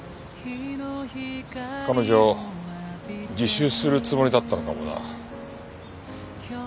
彼女自首するつもりだったのかもな。